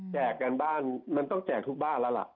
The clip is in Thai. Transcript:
กันบ้านมันต้องแจกทุกบ้านแล้วล่ะ